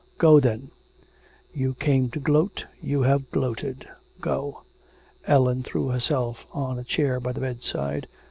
'Go then, you came to gloat; you have gloated, go. Ellen threw herself on a chair by the bedside.